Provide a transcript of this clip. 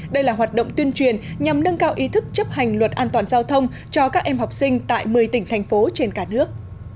đây là hoạt động tuyên truyền nhằm nâng cao ý thức chấp hành luật an toàn giao thông cho các em học sinh tại một mươi tỉnh thành phố trên cả nước